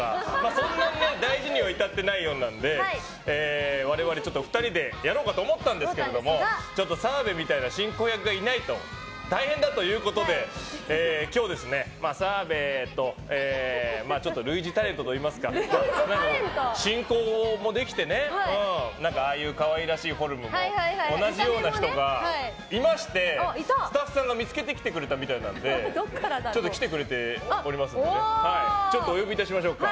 そんな大事には至ってないようで我々２人でやろうと思ったんですがちょっと澤部みたいな進行役がいないと大変だということで今日、澤部と類似タレントといいますか親交もできて、ああいう可愛らしいフォルムも同じような人がいましてスタッフさんが見つけてくれたみたいなので来てくれておりますのでお呼びいたしましょうか。